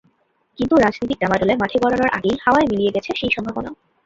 কিন্তু রাজনৈতিক ডামাডোলে মাঠে গড়ানোর আগেই হাওয়ায় মিলিয়ে গেছে সেই সম্ভাবনা।